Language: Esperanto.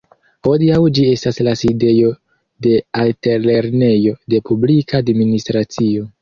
Hodiaŭ ĝi estas la sidejo de Altlernejo de Publika Administracio.